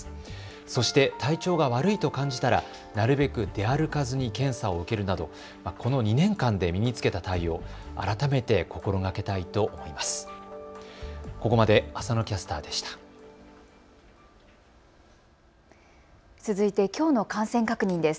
そして体調が悪いと感じたらなるべく出歩かずに検査を受けるなど、この２年間で身につけた対応、改めて心がけたいと思います。